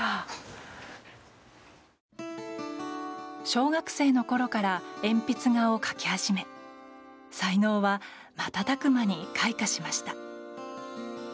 小学生のころから鉛筆画を描き始め才能はまたたく間に開花しました。